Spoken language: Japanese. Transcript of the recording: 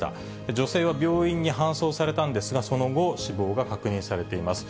女性は病院に搬送されたんですが、その後、死亡が確認されています。